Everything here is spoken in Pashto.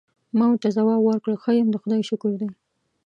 ما ورته ځواب ورکړ: ښه یم، د خدای شکر دی.